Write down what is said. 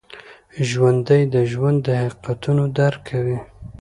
ژوندي د ژوند حقیقتونه درک کوي